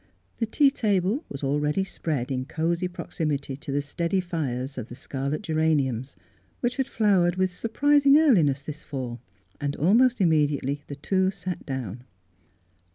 The tea table was already spread in cozy proximity to the steady fires of the scarlet geraniums, which had flowered with surprising earliness this fall, and al most immediately the two sat down.